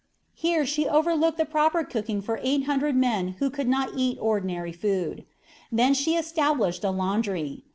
Here she overlooked the proper cooking for eight hundred men who could not eat ordinary food. Then she established a laundry.